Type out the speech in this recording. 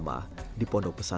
tahlilan itu biasa